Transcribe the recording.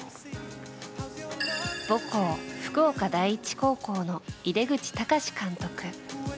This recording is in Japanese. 母校・福岡第一高校の井手口孝監督。